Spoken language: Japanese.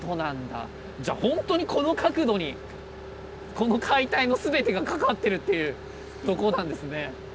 じゃあほんとにこの角度にこの解体の全てがかかってるっていうとこなんですね。